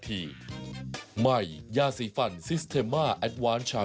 ผู้หญิงนี้พอมันท้องได้